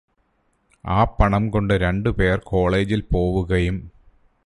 ആ പണംകൊണ്ട് രണ്ടുപേർ കോളേജിൽ പോവുകയും